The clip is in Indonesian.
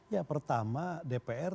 ya pertama dpr